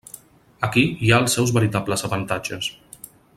Aquí hi ha els seus veritables avantatges.